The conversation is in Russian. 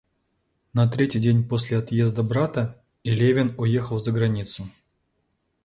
На третий день после отъезда брата и Левин уехал за границу.